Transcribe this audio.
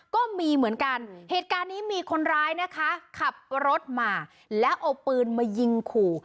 ก็มีเหมือนกันเหตุการณ์นี้มีคนร้ายนะคะขับรถมาแล้วเอาปืนมายิงขู่